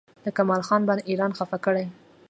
د کمال خان بند ایران خفه کړی؟